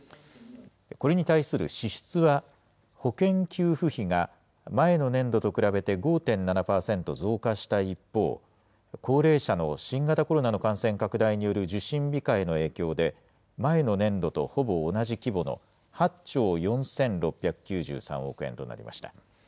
これに対する支出は、保険給付費が前の年度と比べて５．７％増加した一方、高齢者の新型コロナの感染拡大による受診控えの影響で、前の年度とほぼ同じ規模の８兆４６９３億円となりました。